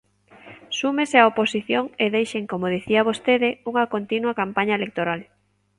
Súmese a oposición e deixen, como dicía vostede, unha continua campaña electoral.